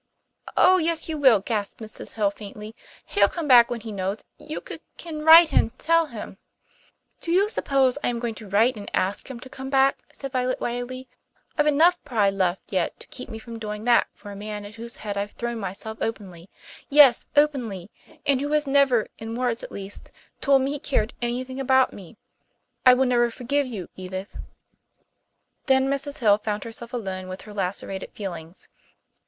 "Oh, yes, you will," gasped Mrs. Hill faintly. "He'll come back when he knows you c can write and tell him " "Do you suppose I am going to write and ask him to come back?" said Violet wildly. "I've enough pride left yet to keep me from doing that for a man at whose head I've thrown myself openly yes, openly, and who has never, in words at least, told me he cared anything about me. I will never forgive you, Edith!" Then Mrs. Hill found herself alone with her lacerated feelings.